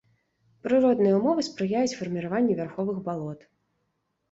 Прыродныя ўмовы спрыяюць фарміраванню вярховых балот.